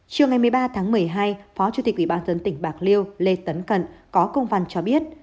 trưa ngày một mươi ba tháng một mươi hai phó chủ tịch ubnd tỉnh bạc liêu lê tấn cận có công văn cho biết